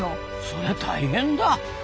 そりゃ大変だ。